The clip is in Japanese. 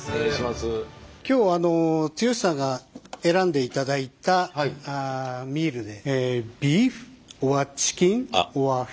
今日はあの剛さんが選んでいただいたミールで。